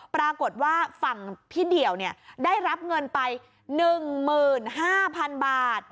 ปรากฏว่าฝั่งพี่เดี่ยวได้รับเงินไป๑๕๐๐๐บาท